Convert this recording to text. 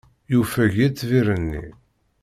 Yufeg yitbir-nni.